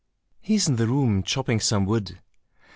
"He is in the room chopping some wood."